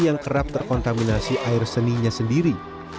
yang kerap terkontaminasi air seninya sendiri